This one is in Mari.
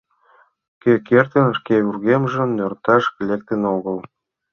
Кӧ кертын, шке вургемжым нӧрташ лектын огыл.